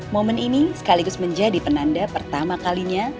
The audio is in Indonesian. momen ini sekaligus menjadi penanda pertama kalinya